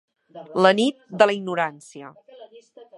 La nit de la ignorància.